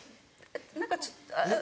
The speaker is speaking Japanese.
何かちょっとあっ。